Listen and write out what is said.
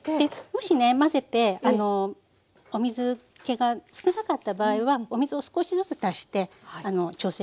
もしね混ぜてお水っけが少なかった場合はお水を少しずつ足して調整して下さい。